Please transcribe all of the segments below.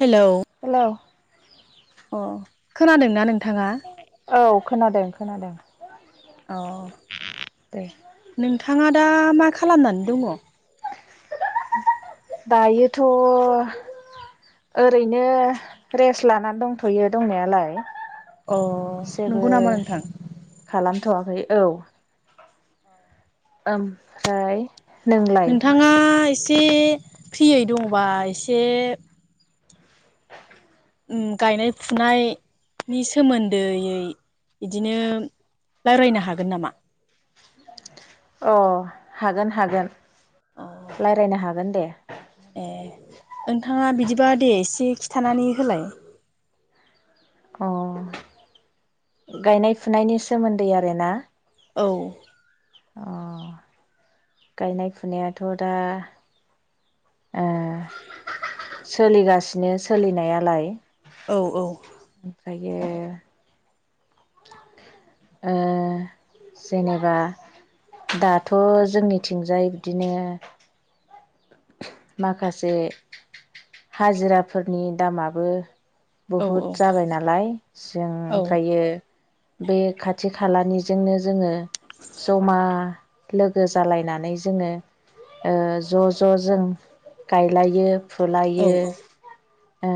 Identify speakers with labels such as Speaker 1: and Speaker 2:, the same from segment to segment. Speaker 1: Hello
Speaker 2: hello.
Speaker 1: अ खोनादोंना नोंथाङा?
Speaker 2: औ खोनादों-खोनादों।
Speaker 1: अ नोंथाङा दा मा खालामनानै दङ?
Speaker 2: दायोथ' ओरैनो रेस लानानै दंथ'यो दंनायालाय।
Speaker 1: अ
Speaker 2: जेबो
Speaker 1: नंगौ नामा नोंथां?
Speaker 2: खालामथ'वाखै औ ओमफ्राय नोंलाय
Speaker 1: नोंथाङा एसे फ्रियै दङबा एसे उम गायनाय-फुनायनि सोमोन्दोयै बिदिनो रायलायनो हागोन नामा?
Speaker 2: अ हागोन-हागोन
Speaker 1: अ
Speaker 2: रायलायनो हागोन दे।
Speaker 1: ए नोंथाङा बिदिबा दे एसे खिथानानै होलाय।
Speaker 2: अ। गायनाय-फुनायनि सोमोन्दै आरो ना।
Speaker 1: औ।
Speaker 2: अ गायनाय फुनायाथ' दा ओ सोलिगासिनो सोलिनायालाय
Speaker 1: औ-औ।
Speaker 2: बे ओ जेनेबा दाथ' जोंनिथिंजाय बिदिनो माखासे हाजिराफोरनि दामाबो
Speaker 1: औ
Speaker 2: बहुद
Speaker 1: औ
Speaker 2: जाबाय नालाय जों
Speaker 1: औ
Speaker 2: ओमफ्रायो बे खाथि खालानिजोंनो जोङो जमा लोगो जालायनानै जोङो ओ ज' ज' जों गायलायो फुलायो। ओ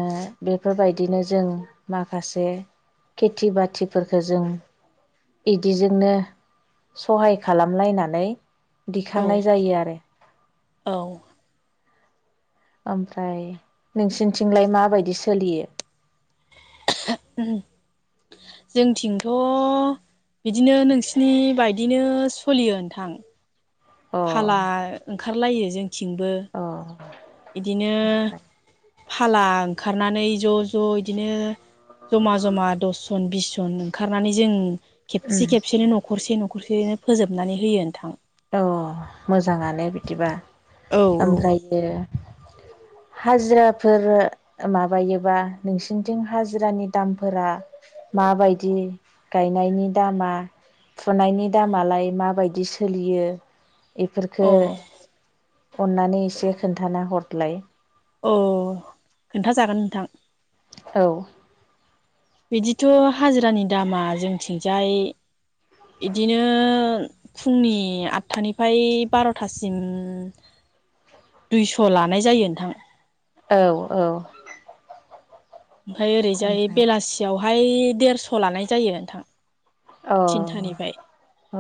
Speaker 2: बेफोरबायदिनो जों माखासे खेथि बाथिफोरखौ जों बिदिजोंनो सहाय खालामलायनानै
Speaker 1: औ
Speaker 2: दिखांनाय जायो आरो।
Speaker 1: औ।
Speaker 2: ओमफ्राय नोंसोरनिथिंलाय माबायदि सोलियो?
Speaker 1: जोंथिंथ' बिदिनो नोंसिनि बायदिनो सलियो नोंथां।
Speaker 2: अ
Speaker 1: फाला ओंखारलायो थिंबो
Speaker 2: अ
Speaker 1: इदिनो फाला ओंखारनानै ज' ज' इदिनो जमा जमा दसजन बिस जन ओंखारनानै जों खेबसे
Speaker 2: उम
Speaker 1: खेबसेयनो न'खरसे न'खरसेयैनो फोजोबनानै होयो नोंथां।
Speaker 2: औ मोजाङाले बिदिबा
Speaker 1: औ औ
Speaker 2: ओमफ्रायो
Speaker 1: [inaudible]
Speaker 2: हाजिराफोर माबायोबा नोंसिनिथिं हाजिरानि दामफोरा माबायदि गायनायनि दामा फुनायनि दामालाय माबायदि सो लियो
Speaker 1: औ
Speaker 2: इफोरखौ अननानै एसे खोन्थाना हर लाय
Speaker 1: ओ खोनथाजागोन नोंथां।
Speaker 2: औ
Speaker 1: बिदिथ' हाजिरानि दामा जोंथिंजाय इदिनो फुंनि आटथानिफ्राय बार'थासिम दैस' लानाय जायो नोंथां
Speaker 2: औ औ
Speaker 1: ओमफाय ओरैजाय
Speaker 2: ओमफ्राय
Speaker 1: बेलासियावहाय देरस' लानाय जायो नोंथां।
Speaker 2: अ
Speaker 1: थिनथानिफाय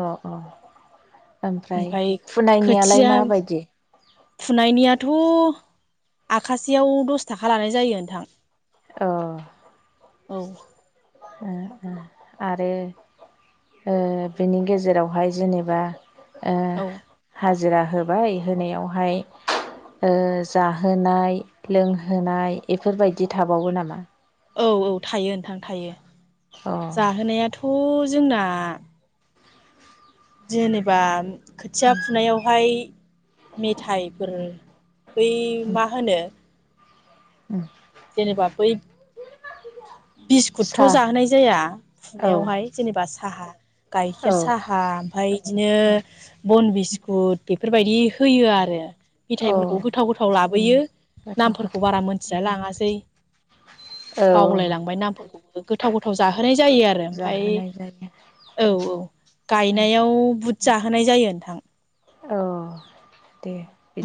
Speaker 2: अ अ ओमफ्राय फुनायनियालाय
Speaker 1: खोथिया
Speaker 2: माबायदि?
Speaker 1: फुनायनियाथ' आखासेयाव दसथाखा लानाय जायो नोंथां।
Speaker 2: ओ
Speaker 1: औ
Speaker 2: उम उम आरो ओ बिनि गेजेरावहाय उह जेनेबा
Speaker 1: औ
Speaker 2: हा जिरा होबाय होनायावहाय ओ जाहोनाय लोंहोनाय एफोरबायदि थाबावो नामा?
Speaker 1: औ औ थायो नोंथां थायो।
Speaker 2: अ
Speaker 1: [inaudible] जाहोनायाथ' जोंना जेनेबा खोथिया फुनायावहाय मेथायाइफोर बै मा होनो
Speaker 2: उम
Speaker 1: जेनेबा बै बिस्कुटथ'
Speaker 2: सा
Speaker 1: जाहोनाय जाया
Speaker 2: औ
Speaker 1: फुनायावहाय जेनेबा साहा गाइखेर
Speaker 2: औ
Speaker 1: साहा ओमफाय इदिनो बन बि स्कुट बेफोरबायदि होयो आरो
Speaker 2: औ
Speaker 1: मिथाइफोरखौ गोथाव गोथाव लाबोयो।
Speaker 2: गोथाव
Speaker 1: नामफोरखौ
Speaker 2: गोथाव
Speaker 1: बारा मोनथिया लाङासै। बावलायलांबाय
Speaker 2: औ
Speaker 1: नामफोरखौबो गोथाव गोथाव जाहोनाय जायो आरो ओमफाय
Speaker 2: जाहोनाय जायो
Speaker 1: औ औ गायनायाव बुद जाहोनाय जायो नोंथां।
Speaker 2: औ दे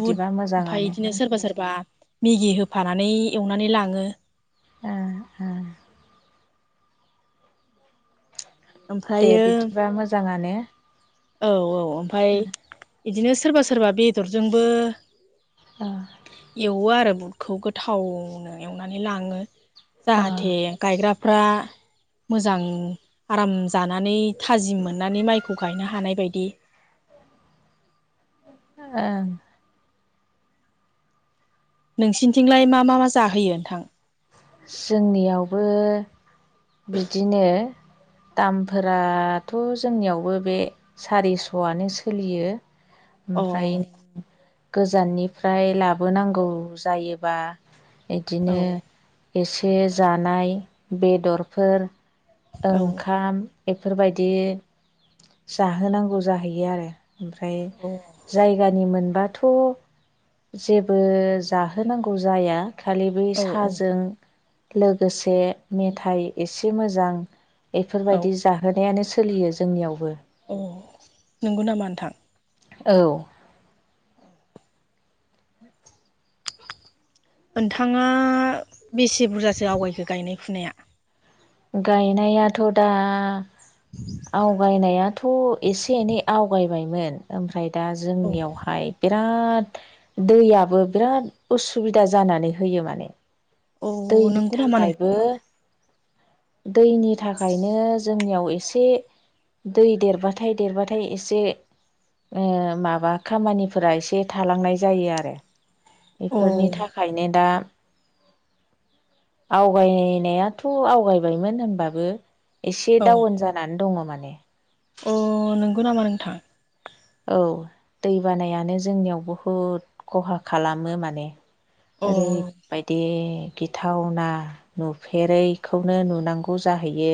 Speaker 1: बुट ओमफाय
Speaker 2: मोजाङानो
Speaker 1: इदिनो सोरबा सोरबा मेगि होफानानै एवनानै लाङो
Speaker 2: ओ ओ दे
Speaker 1: ओमफ्रायो
Speaker 2: बिदिबा मोजाङानो
Speaker 1: औ औ ओमफाय इदिनो सोरबा सोरबा बेदरजोंबो
Speaker 2: ओ
Speaker 1: एवो आरो बुटखौ गोथावनो एयावनानै लाङो।
Speaker 2: ओ
Speaker 1: जाहाथे गायग्रा फ्रा मोजां आराम जानानै थाजिम मोननानै माइखौ गायनो हानाय बायदि
Speaker 2: ओ
Speaker 1: नोंसिनिथिंलाय मा मा मा जाहोयो नोंथां?
Speaker 2: जोंनियावबो बिदिनो दामफोराथ' जोंनियावबो बे सारिस'आनो सोलियो
Speaker 1: अ
Speaker 2: ओमफ्राय
Speaker 1: औ
Speaker 2: गोजाननिफ्राय लाबोनांगौ जायोबा इदिनो
Speaker 1: औ
Speaker 2: एसे जानाय बेदरफोर,
Speaker 1: औ
Speaker 2: ओंखाम बेफोरबायदि जाहोनांगौ जाहैयो आरो। ओमफ्राय जायगानि मोन बाथ' जेबो जाहोनांगौ जाया खालि बै
Speaker 1: औ
Speaker 2: साजों लोगोसे मेथाइ एसे मोजां
Speaker 1: औ
Speaker 2: बेफोरबायदि जाहोनायानो सोलियो जोंनियावबो।
Speaker 1: अ नोंगौ नामा नोंथां।
Speaker 2: औ।
Speaker 1: ओनथाङा बेसे बुरजासो आवगायखो गायनाय फुनाया?
Speaker 2: गायनायाथ' दा। आवगायनायाथ' एसे एनै आवगायबायमोन ओमफ्राय। दा
Speaker 1: औ
Speaker 2: जोंनियावहाय बिरा द दैयाबो बिराद उसुबिदा जानानै होयो माने।
Speaker 1: औ
Speaker 2: दैनि
Speaker 1: नंगौ नामा नों
Speaker 2: थाखायबो दैनि थाखायनो जोंनियाव एसे दै देरबाथाय देरबाथाय एसे ओ माबा खामानिफोरा एसे थालांनाय जायो आरो।
Speaker 1: औ
Speaker 2: बेफोरनि थाखायनो दा आवगायनायाथ' आवगायबायमोन होनबाबो एसे
Speaker 1: औ
Speaker 2: डाउन जानानै दङ' माने।
Speaker 1: अ नोंगौ नामा नोंथां
Speaker 2: औ दै बानायानो जोंनियाव बहुद ख'हा खालामो माने।
Speaker 1: अ
Speaker 2: ओरैबायदि गिथावना नुफेरैखौनो नुनांगौ जाहैयो।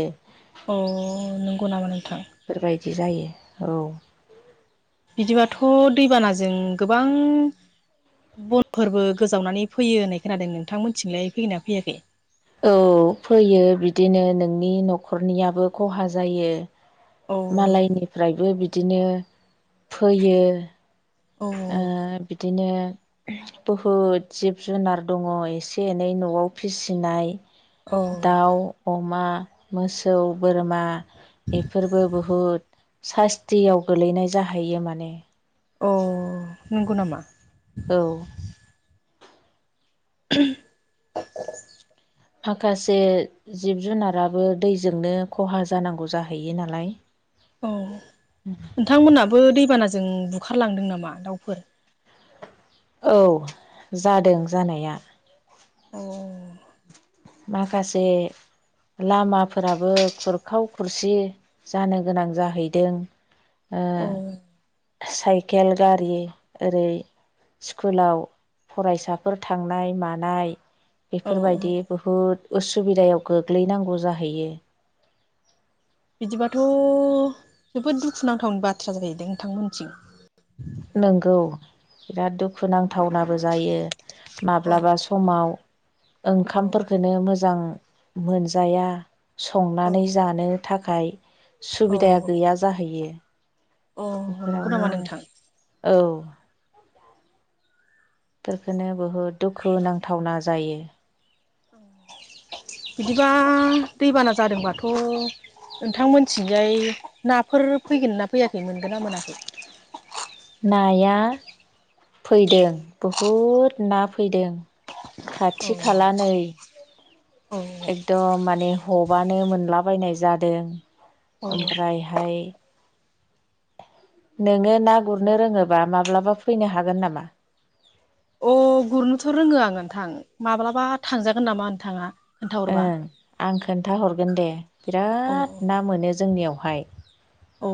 Speaker 1: अ नोंगौ नामा नोंथां।
Speaker 2: बिदि जायो औ।
Speaker 1: बिदिबाथ' दैबानाजों गोबां। बन' फोरबो गोजावनानै फैयो होननाय खोनादों नोंथांमोनथिंलाय फैगोनना फैयाखै?
Speaker 2: औ फैयो बिदिनो नोंनि न'खरनियाबो खहा जायो।
Speaker 1: औ
Speaker 2: मालायनिफ्रायबो बिदिनो फैयो।
Speaker 1: औ
Speaker 2: ओ बिदिनो। उम बहुद जिब जुनार दङ' एसे एनै न'आव फिसिनाय।
Speaker 1: औ
Speaker 2: दाउ अमा मोसौ बोरमा बेफोरबो बहुद सास्तियाव गोलैनाय जाहैयो माने।
Speaker 1: अ नोंगौ नामा!
Speaker 2: औ।
Speaker 1: [inaudible]
Speaker 2: माखासे जिब जुनाराबो दैजोंनो खहा जानांगौ जाहैयो नालाय।
Speaker 1: औ नोंथांमोननाबो दैबानाजों बुखारलांदों नामा दाउफोर?
Speaker 2: औ जादों जानाया-
Speaker 1: औ।
Speaker 2: माखासे लामाफोराबो खुरखाव खुरसि जानो गोनां जाहैदों। ओ
Speaker 1: औ
Speaker 2: साइकेल गारि ओरै स्कुलाव फरायसाफोर थांनाय मानाय
Speaker 1: औ औ
Speaker 2: बेफोरबायदि बहुद उसुबिदायाव गोग्लैनांगौ जाहैयो।
Speaker 1: बिदिबाथ' जोबोद दुखुनांथावनि बाथ्रा जाहैदों नोंथांमोनथिं।
Speaker 2: नोंगौ बिराद दुखु नांथावनाबो जायो।
Speaker 1: औ
Speaker 2: माब्लाबा समाव
Speaker 1: औ
Speaker 2: ओंखामफोरखौनो मोजां मोनजाया।
Speaker 1: औ
Speaker 2: संनानै जानो थाखाय
Speaker 1: औ
Speaker 2: सुबिदाया गैया जाहैयो।
Speaker 1: औ नंगौ नामा
Speaker 2: बेफोरावनो
Speaker 1: नोंथां
Speaker 2: औ! बेफोरखौनो बुहुद दुखु नांथावना जायो।
Speaker 1: बिदिबा दैबाना जादोंबाथ'! नोंथांमोनथिंजाय नाफोर फैदोंना फैयाखै मोनगोन ना मोनाखै?
Speaker 2: नाया फैदों बहुद ना फैदों!
Speaker 1: औ
Speaker 2: खाथि खाला नै
Speaker 1: औ
Speaker 2: एकदम माने ह'बानो मोनलाबायनाय जादों।
Speaker 1: औ
Speaker 2: ओमफ्रायहाय,, नोङो ना गुरनो रोङोबा माब्लाबा फैनो हागोन,, ! हागोन नामा?
Speaker 1: अ! गुरनोथ' रोङो आं नोंथां माब्लाबा थांजागोन नामा नोंथां? खोन्थाहरोबा,,,
Speaker 2: ओं आं खोन्थााहरगोन दे बिराद ना मोनो जोंनियावहाय!
Speaker 1: अ!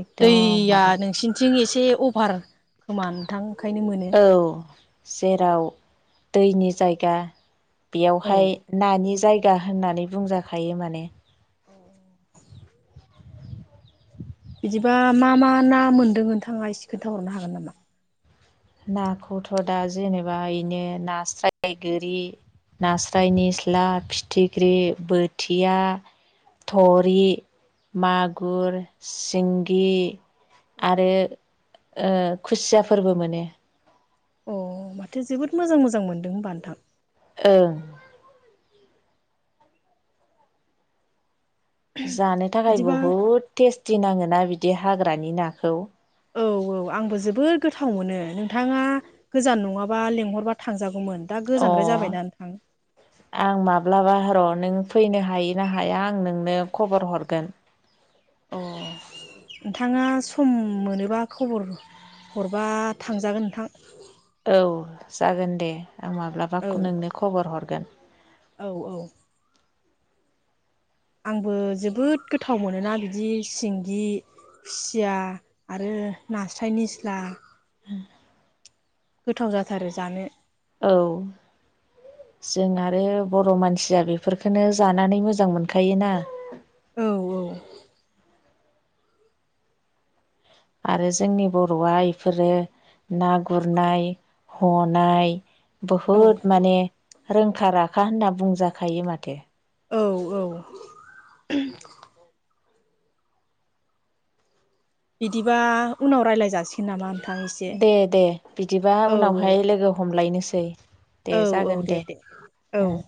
Speaker 2: एकदम
Speaker 1: दैया
Speaker 2: माने
Speaker 1: नोंसिनिथिं एसे,, एसे अभार खोमा नोंथां? ओंखायनो मोनो
Speaker 2: औ! जेराव दैनि जायगा,,
Speaker 1: औ
Speaker 2: बेयावहाय नानि जायगा होननानै बुंजाखायो माने,,,
Speaker 1: [unintelligible] [inaudible] बिदिबा मा- मा ना मोनदों नोंथाङा एसे खोनन्थााहरनो हागोन नामा?
Speaker 2: नाखौथ' दा जेनेबा इनो नास्राय, गोरि,, नास्राय निस्ला, फिथिख्रि, बोथिया, थरि, मागुर, सिंगि,, आरो खुसिया ओ फोरबो मोनो।
Speaker 1: अ! माथो जोबोद मोजां मोजां मोनदों होनबा नोंथां।
Speaker 2: ओं! जानो थाखाय
Speaker 1: बिदिबा
Speaker 2: बहुद टेस्टि नाङोना बिदि हाग्रानि नाखौ?
Speaker 1: औ औ आंबो जोबोद गोथाव मोनो नोंथाङा गोजान नङाबा लेंहरबा थांजागौमोन। दा
Speaker 2: अ!
Speaker 1: गोजानद्राय जाबायना नोंथां
Speaker 2: आं माब्लाबा र' नों,, फैनो हायो ना हाया आं नोंनो ख'बर हरगोन,,
Speaker 1: अ! नोंथाङा सम मोनोबा खबर हरबा थांजागोन नोंथां,, !
Speaker 2: औ! जागोन दे आं माब्लाबा
Speaker 1: औ
Speaker 2: नोंनो ख'बर हरगोन,,
Speaker 1: औ! औ! आंबो जोबोद गोथाव मोनोना बिदि सिंगि,, खुसिया आरो नास्राय निस्ला,,
Speaker 2: [unintelligible] [inaudible]
Speaker 1: गोथाव जाथारो जानो,,
Speaker 2: औ! जों आरो बर' मानसिया बेफोरखौनो जानानै मोजां मोनखायोना।
Speaker 1: औ! औ!
Speaker 2: आरो जोंनि बर'आ बेफोरो ना गुरनाय,, ह'नाय,,
Speaker 1: औ
Speaker 2: बहुद माने रोंखा राखा होनना बुंजाखायो माथो!
Speaker 1: औ! औ! बिदिबा उनाव राय्लाय जासिगोन नामा! नोंथां एसे
Speaker 2: दे- दे बिदिबा
Speaker 1: औ औ
Speaker 2: उनावहाय लोगो हमलायनोसै। दे जागोन दे ओ,,
Speaker 1: औ